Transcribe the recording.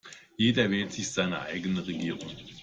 Jeder wählt sich seine eigene Regierung.